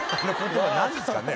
何ですかね。